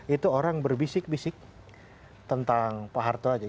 itu orang berbisik bisik tentang pak harto aja